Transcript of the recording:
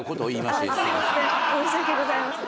申し訳ございません。